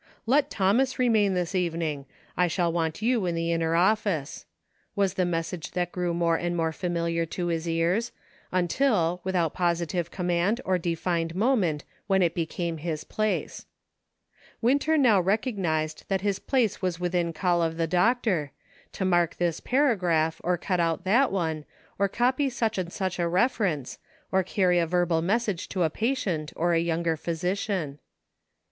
" Let Thomas remain this evening ; I shall want you in the inner office," was the message that grew more and more familiar to his ears, until, without positive com mand or defined moment when it became his place. Winter now recognized that his place was within call of the doctor, to mark this paragraph, or cut out that one, or copy such and such a reference, or carry a verbal message to a patient or a younger physician.